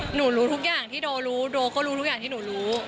หนูรู้ทุกอย่างที่โดรู้โดก็รู้ทุกอย่างที่หนูรู้